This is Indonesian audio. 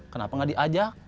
kenapa gak diajak